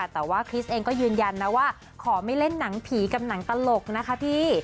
แต่ว่าคริสเองก็ยืนยันนะว่าขอไม่เล่นหนังผีกับหนังตลกนะคะพี่